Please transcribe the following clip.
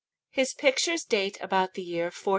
His pictures date about the year 1440.